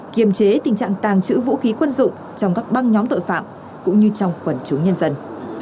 kiềm chế tình trạng tàng trữ vũ khí quân dụng trong các băng nhóm tội phạm cũng như trong quần chúng nhân dân